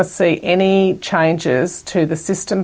perubahan perubahan untuk sistem